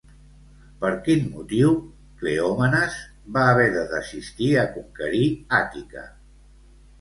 Per quin motiu Cleòmenes va haver de desistir a conquerir Àtica?